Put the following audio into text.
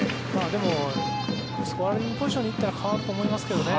でも、スコアリングポジションに行ったら代わると思いますけどね。